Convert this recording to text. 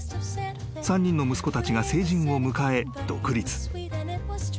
［３人の息子たちが成人を迎え独立］